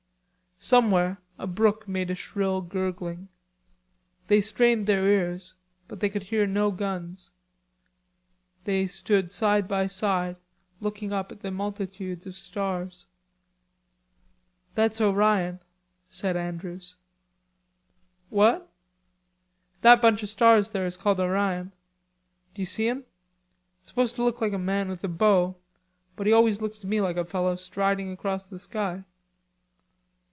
Somewhere a brook made a shrill gurgling. They strained their ears, but they could hear no guns. They stood side by side looking up at the multitudes of stars. "That's Orion," said Andrews. "What?" "That bunch of stars there is called Orion. D'you see 'em. It's supposed to look like a man with a bow, but he always looks to me like a fellow striding across the sky."